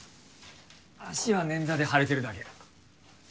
足はねん挫で腫れてるだけ。